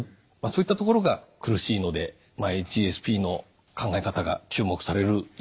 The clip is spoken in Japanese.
そういったところが苦しいのでＨＳＰの考え方が注目されるようになったんだと思います。